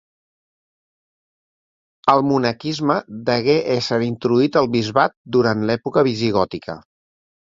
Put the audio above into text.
El monaquisme degué ésser introduït al bisbat durant l'època visigòtica.